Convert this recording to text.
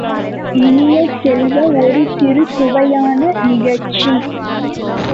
இனிய செல்வ, ஒரு சிறு சுவையான நிகழ்ச்சி!